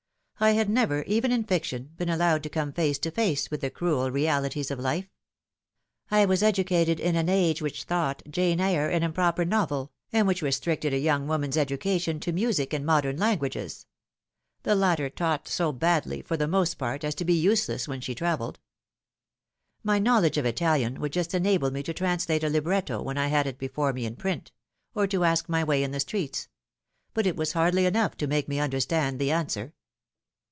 I had never, even in fiction, been allowed to come face to face with the cruel realities of life. I was educated in an age which thought Jane Eyre an improper novel, and which restricted a young woman's education to music and modern languages ; the latter taught so badly, for the most part, as to be useless when she travelled. My knowledge of Italian would just enable me to translate a libretto when I had it before me in print, or to ask my way in the streets ; but it was hardly enough to make me understand the answer.